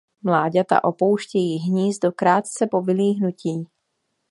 Mláďata opouštějí hnízdo krátce po vylíhnutí.